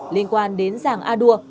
liên quan đến giàng a đua